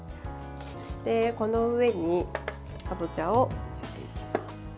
そして、この上にかぼちゃを載せていきます。